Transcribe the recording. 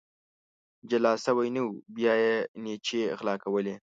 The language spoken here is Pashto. جولا سوى نه وو ، بيا يې نيچې غلا کولې.